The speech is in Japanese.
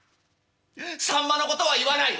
さんまのことは言わない」。